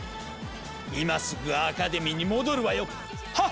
今すぐアカデミーに戻るわよ！はっ！